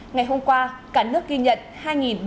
ngày hôm qua cả nước ghi nhận